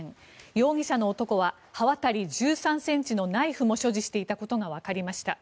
容疑者の男は刃渡り１３ｃｍのナイフも所持していたことがわかりました。